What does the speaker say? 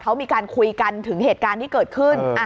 เขามีการคุยกันถึงเหตุการณ์ที่เกิดขึ้น